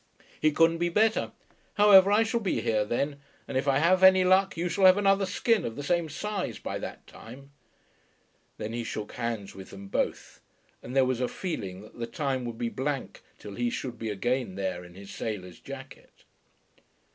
"He couldn't be better. However, I shall be here then, and if I have any luck you shall have another skin of the same size by that time." Then he shook hands with them both, and there was a feeling that the time would be blank till he should be again there in his sailor's jacket.